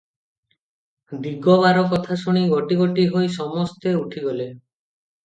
ଦିଗବାର କଥା ଶୁଣି ଗୋଟି ଗୋଟି ହୋଇ ସମସ୍ତେ ଉଠିଗଲେ ।